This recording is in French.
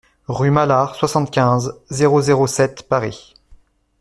Rue Malar, soixante-quinze, zéro zéro sept Paris